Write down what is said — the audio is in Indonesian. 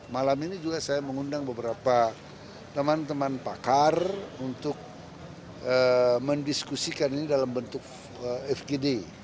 malam ini juga saya mengundang beberapa teman teman pakar untuk mendiskusikan ini dalam bentuk fgd